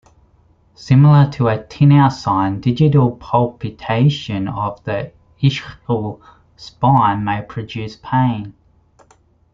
Similar to a tinel sign digital palpitation of the ischial spine may produce pain.